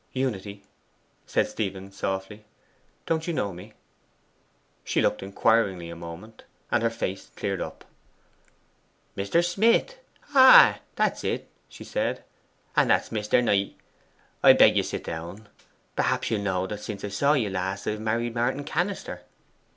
'Unity,' said Stephen softly, 'don't you know me?' She looked inquiringly a moment, and her face cleared up. 'Mr. Smith ay, that it is!' she said. 'And that's Mr. Knight. I beg you to sit down. Perhaps you know that since I saw you last I have married Martin Cannister.